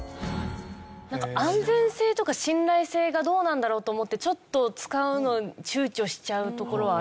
なんか安全性とか信頼性がどうなんだろうと思ってちょっと使うの躊躇しちゃうところはありますね。